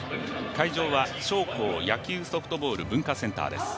会場は紹興野球ソフトボール文化センターです。